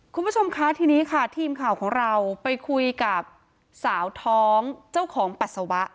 คุณผู้ชมคะทีนี้ค่ะทีมข่าวของเราไปคุยกับสาวท้องเจ้าของปัสสาวะ